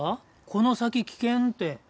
この先危険って。